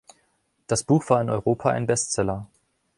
Das Buch war in Europa ein Bestseller.